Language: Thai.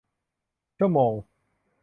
ชั่วโมง